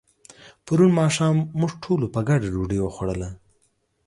پرون ماښام موږ ټولو په ګډه ډوډۍ وخوړله.